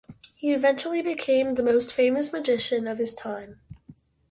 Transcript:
He eventually became the most famous magician of his time.